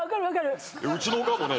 うちのおかんもね